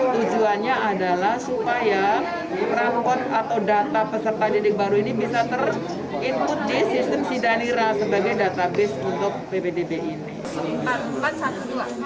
tujuannya adalah supaya rapot atau data peserta didik baru ini bisa ter input di sistem sidanira sebagai database untuk ppdb ini